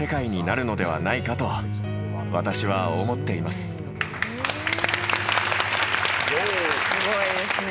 すごいですね。